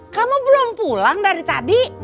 kamu belum pulang dari tadi